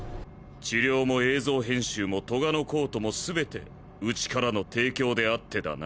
治療も映像編集もトガのコートも全てウチからの提供であってだな。